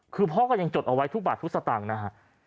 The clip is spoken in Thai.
คือพ่อก็ยังจดเอาไว้ทุกบาททุกสตางค์นะฮะ